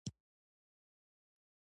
دې بېلتون یا تجزیه ممکنه کړه